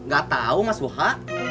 gak tahu mas bokha